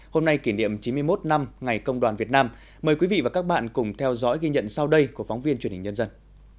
hôm nay kỷ niệm chín mươi một năm ngày công đoàn việt nam mời quý vị và các bạn cùng theo dõi ghi nhận sau đây của phóng viên truyền hình nhân dân